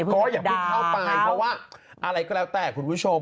ก็อย่าเพิ่งเข้าไปเพราะว่าอะไรก็แล้วแต่คุณผู้ชม